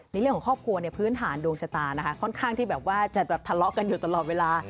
ในเรื่องของครอบครัวพื้นฐานโดงชะตาค่อนข้างที่จะทะเลาะกันอยู่ตลอดเวลา